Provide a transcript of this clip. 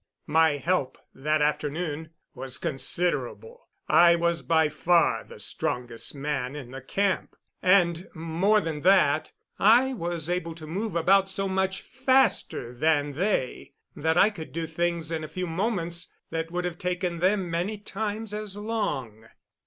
My help, that afternoon, was considerable. I was by far the strongest man in the camp; and, more than that, I was able to move about so much faster than they that I could do things in a few moments that would have taken them many times as long.